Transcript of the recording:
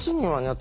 私